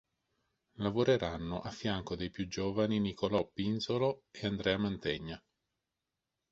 Lavoreranno a fianco dei più giovani Nicolò Pinzolo e Andrea Mantegna.